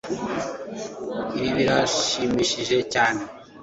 Ibi biranshimishije cyane